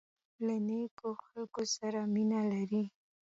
انا له نیکو خلکو سره مینه لري